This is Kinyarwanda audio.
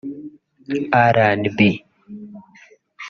RnB